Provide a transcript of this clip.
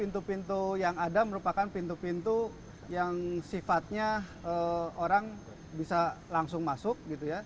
pintu pintu yang ada merupakan pintu pintu yang sifatnya orang bisa langsung masuk